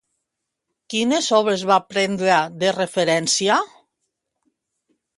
Quines obres va prendre de referència?